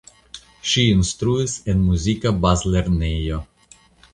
Ŝi instruis en muzika bazlernejo.